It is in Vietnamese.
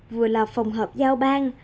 vừa là phòng hợp giao bang